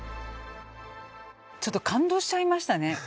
ちょっと感動しちゃいましたね。